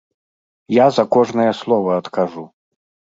Я за кожнае слова адкажу.